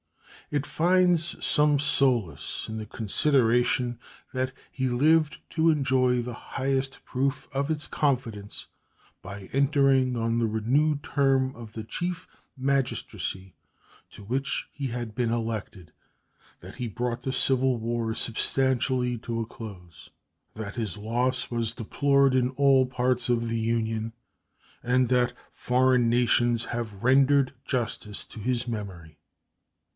It finds some solace in the consideration that he lived to enjoy the highest proof of its confidence by entering on the renewed term of the Chief Magistracy to which he had been elected; that he brought the civil war substantially to a close; that his loss was deplored in all parts of the Union, and that foreign nations have rendered justice to his memory.